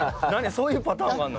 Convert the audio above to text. そういうパターンもあるの？